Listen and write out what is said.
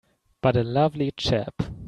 But a lovely chap!